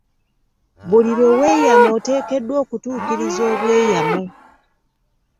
Buli lwe weyama oteekeddwa okutuukiriza obweyamo.